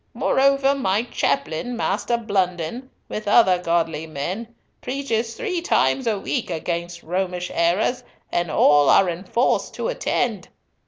Moreover, my chaplain, Master Blunden, with other godly men, preaches three times a week against Romish errors, and all are enforced to attend.